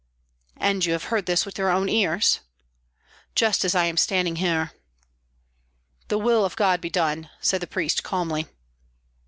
"And you have heard this with your own ears?" "Just as I am standing here." "The will of God be done!" said the priest, calmly.